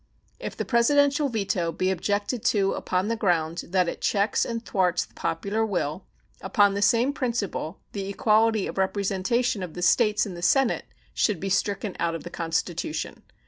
If the Presidential veto be objected to upon the ground that it checks and thwarts the popular will, upon the same principle the equality of representation of the States in the Senate should be stricken out of the Constitution.